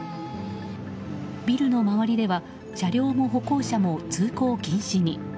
ビルの周りでは車両も歩行者も通行禁止に。